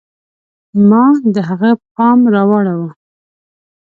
ما د هغه پام را واړوه.